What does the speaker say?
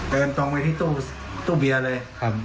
เดินตรงไปที่ตู้เบียร์เลย